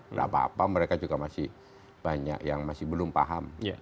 nggak apa apa mereka juga masih banyak yang masih belum paham